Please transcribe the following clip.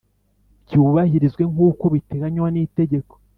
byubahirizwe nk uko biteganywa n’integeko